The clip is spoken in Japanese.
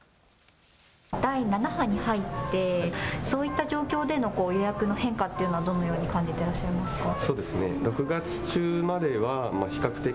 第７波に入ってそういった状況での予約の変化はどのように感じてらっしゃいますか。